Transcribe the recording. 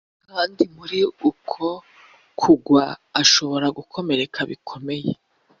kandi muri uko kugwa ashobora gukomereka bikomeye